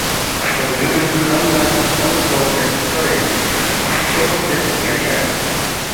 خسون لوکھی خم لا تھہ سنگ سونگسید تورے سونگسے بگیاشر